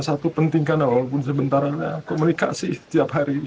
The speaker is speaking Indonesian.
satu pentingkan walaupun sebentar komunikasi setiap hari